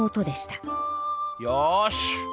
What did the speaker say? よし！